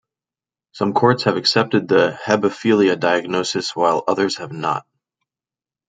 Some courts have accepted the hebephilia diagnosis while others have not.